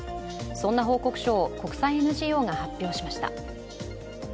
そんな報告書を国際ＮＧＯが発表しました。